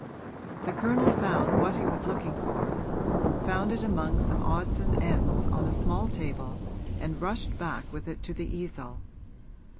The Colonel found what he was looking for found it among some odds and ends on a small table and rushed back with it to the easel.